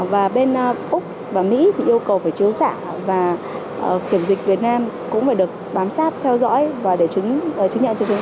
và bên úc và mỹ thì yêu cầu phải chiếu xạ và kiểm dịch việt nam cũng phải được bám sát theo dõi và để chứng nhận cho chúng